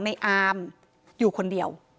ในอามอยู่คนเดียว